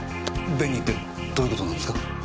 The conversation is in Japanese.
紅ってどういう事なんですか？